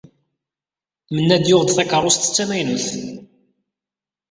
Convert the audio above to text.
Mennad yuɣ-d takeṛṛust d tamaynut.